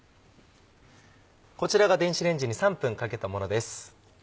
こちらが電子レンジに３分かけたものです。